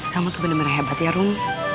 kamu tuh bener bener hebat ya rung